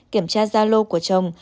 kiểm tra gia lô của chồng